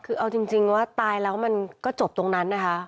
คือเอาจริงว่าตายแล้วมันก็จบตรงนั้นนะคะ